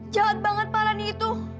jatuh banget pak rani itu